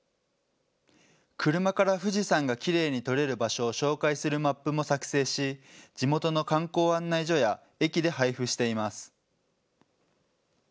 車から富士山がきれいに撮れる場所を紹介するマップも作製し、地元の観光案内所や駅で配布しています。